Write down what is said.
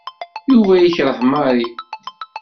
Yuba yekreh Mary.